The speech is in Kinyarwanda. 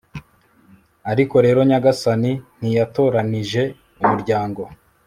ariko rero, nyagasani ntiyatoranyije umuryango